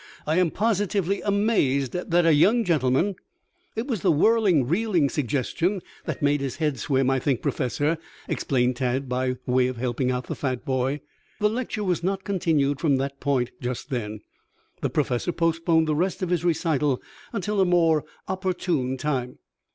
"I am positively amazed that a young gentleman " "It was the whirling, reeling suggestion that made his head swim, I think, Professor," explained Tad, by way of helping out the fat boy. The lecture was not continued from that point just then. The Professor postponed the rest of his recital until a more opportune time.